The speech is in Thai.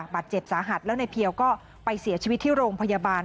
บาดเจ็บสาหัสแล้วในเพียวก็ไปเสียชีวิตที่โรงพยาบาล